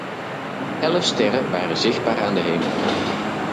Elf sterren waren zichtbaar aan de hemel.